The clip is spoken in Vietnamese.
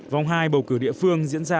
vòng hai bầu cử địa phương diễn ra